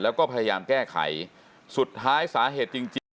แล้วก็พยายามแก้ไขสุดท้ายสาเหตุจริงจริง